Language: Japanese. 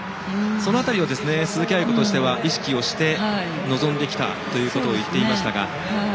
その辺りを鈴木亜由子としては意識をして臨んできたと言っていました。